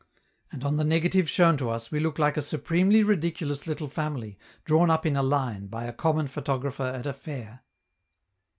And on the negative shown to us we look like a supremely ridiculous little family drawn up in a line by a common photographer at a fair.